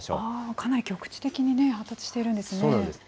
かなり局地的にね、発達してるんですね。